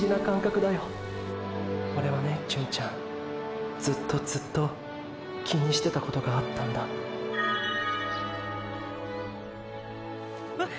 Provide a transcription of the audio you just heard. オレはね純ちゃんずっとずっと気にしてたことがあったんだえ？